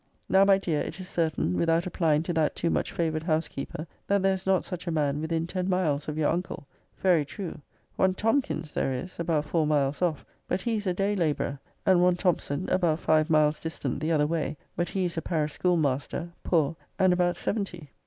>>> Now, my dear, it is certain, without applying to that too much favoured housekeeper, that there is not such a man within ten miles of your uncle. Very true! One Tomkins there is, about four miles off; but he is a day labourer: and one Thompson, about five miles distant the other way; but he is a parish schoolmaster, poor, and about seventy.